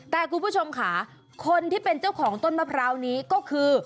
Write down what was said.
แต่คุณผู้ชมค่ะคนที่เป็นเจ้าของต้นมะพร้าวนี้ก็คือ